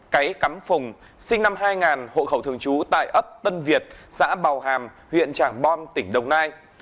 cáy cắm phùng sinh năm hai nghìn hộ khẩu thường trú tại ấp tân việt xã bào hàm huyện tràng bom tỉnh đồng nai